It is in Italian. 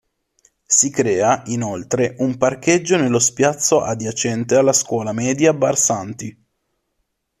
Si crea, inoltre, un parcheggio nello spiazzo adiacente alla scuola media Barsanti.